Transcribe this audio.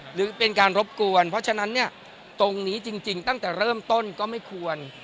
หรือเป็นการรบกวนเพราะฉะนั้นเนี่ยตรงนี้จริงตั้งแต่เริ่มต้นก็ไม่ควร